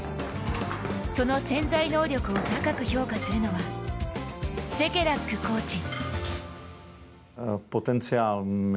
その潜在能力を高く評価するのはシェケラックコーチ。